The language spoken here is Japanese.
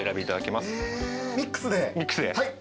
ミックスで。